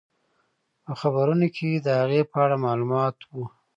په خبرونو کې د هغې په اړه معلومات وو.